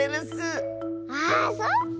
あそっか！